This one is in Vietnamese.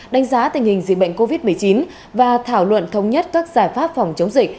đánh giá tình hình dịch bệnh covid một mươi chín và thảo luận thống nhất các giải pháp phòng chống dịch